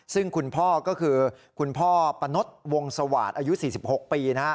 ซึ่งคุณพ่อก็คือคุณพ่อปะนดวงสวาสตร์อายุ๔๖ปีนะฮะ